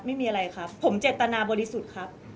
ไม่มีอะไรครับผมเจตนาบริสุทธิ์ครับ